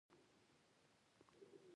د ښو اخلاقو اثر د ټولنې عزت دی.